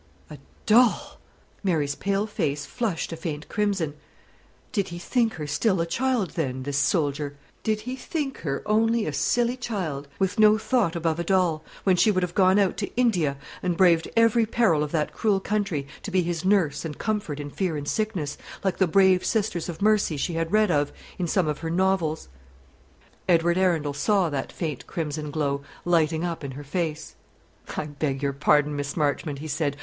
A doll! Mary's pale face flushed a faint crimson. Did he think her still a child, then, this soldier; did he think her only a silly child, with no thought above a doll, when she would have gone out to India, and braved every peril of that cruel country, to be his nurse and comfort in fever and sickness, like the brave Sisters of Mercy she had read of in some of her novels? Edward Arundel saw that faint crimson glow lighting up in her face. "I beg your pardon, Miss Marchmont," he said.